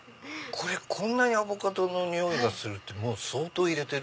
こんなにアボカドの匂いがするって相当入れてる？